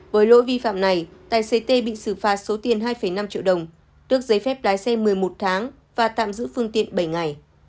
với lỗi vi phạm này tài xế tê bị xử phạt số tiền hai năm triệu đồng tước giấy phép lái xe một mươi một tháng và tạm giữ phương tiện bảy ngày